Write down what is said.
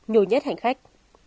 nhồi nhét hành khách